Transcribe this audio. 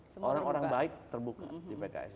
seorang orang baik terbuka di pks